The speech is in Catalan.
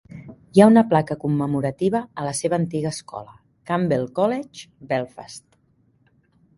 Hi ha una placa commemorativa a la seva antiga escola, Campbell College, Belfast.